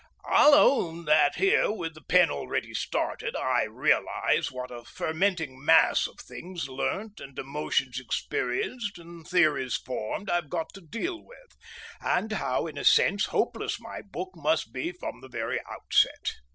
I'll own that here, with the pen already started, I realise what a fermenting mass of things learnt and emotions experienced and theories formed I've got to deal with, and how, in a sense, hopeless my book must be from the very outset.